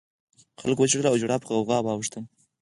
خلکو وژړل او ژړا په کوکو واوښته.